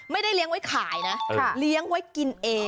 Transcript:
ไม่ได้เลี้ยงไว้ขายนะเลี้ยงไว้กินเอง